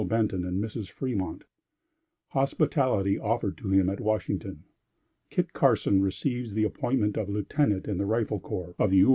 Benton and Mrs. Fremont Hospitality offered to him at Washington Kit Carson receives the Appointment of Lieutenant in the Rifle Corps of the U.